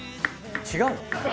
違うの？